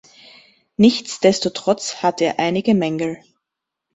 Nichtsdestotrotz hat er einige Mängel.